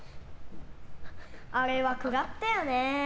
あれは食らったよね。